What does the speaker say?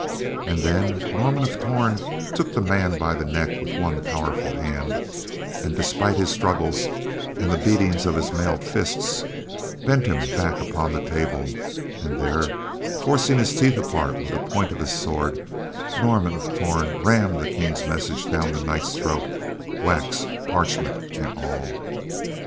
And then Norman of Torn took the man by the neck with one powerful hand and, despite his struggles, and the beating of his mailed fists, bent him back upon the table, and there, forcing his teeth apart with the point of his sword, Norman of Torn rammed the King's message down the knight's throat; wax, parchment and all.